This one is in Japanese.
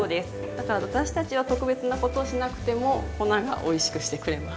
だから私たちが特別なことをしなくても粉がおいしくしてくれます。